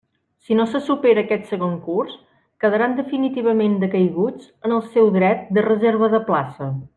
Si no se supera aquest segon curs, quedaran definitivament decaiguts en el seu dret de reserva de plaça.